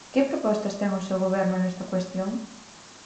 ¿Que propostas ten o seu Goberno nesta cuestión?